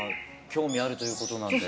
興味あるということなので。